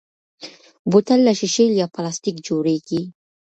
بوتل له شیشې یا پلاستیک جوړېږي.